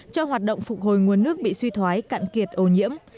cho hoạt động phục hồi nguồn nước bị suy thoái cạn kiệt ô nhiễm